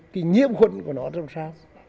cái nhiễm khuẩn của nó